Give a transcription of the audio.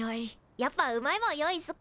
やっぱうまいもん用意すっか？